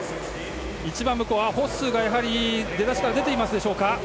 一番向こうホッスーがやはり、出だしから出ていますでしょうか。